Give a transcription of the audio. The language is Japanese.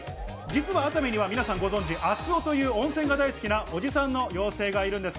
実は熱海には、皆さんご存じ、あつおという温泉が大好きなおじさんの妖精がいるんです。